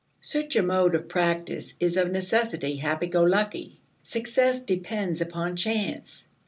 Such a mode of practice is of necessity happy go lucky; success depends upon chance.